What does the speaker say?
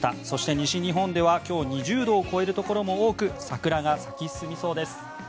そして西日本では今日２０度を超えるところも多く桜が咲き進みそうです。